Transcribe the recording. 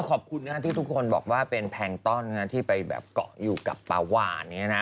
ขอบคุณนะที่ทุกคนบอกว่าเป็นแพงต้อนที่ไปแบบเกาะอยู่กับปลาหวาน